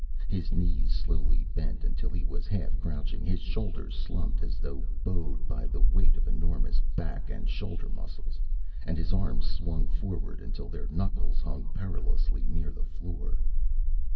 His knees slowly bent until he was half crouching, his shoulders slumped as though bowed by the weight of enormous back and shoulder muscles, and his arms swung forward until their knuckles hung perilously near the floor.